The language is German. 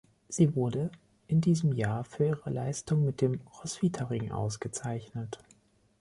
Sie wurde in diesem Jahr für ihre Leistungen mit dem "Roswitha-Ring" ausgezeichnet.